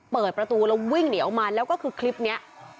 เปิดประตูแล้ววิ่งหนีออกมาแล้วก็คือคลิปนี้